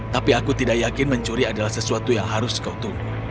tapi aku tidak yakin mencuri adalah sesuatu yang harus kau tunggu